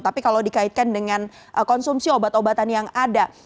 tapi kalau dikaitkan dengan konsumsi obat obatan yang ada